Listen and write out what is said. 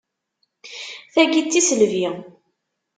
Tagi d tiselbi!